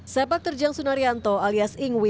sepak terjang sunarianto alias ingwi